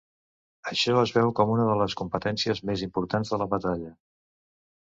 Això es veu com una de les competències més importants de la batalla.